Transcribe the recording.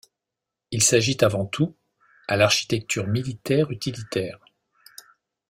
Il s’agit avant tout, à l’architecture militaire utilitaire.